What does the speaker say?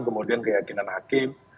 kemudian keyakinan hakim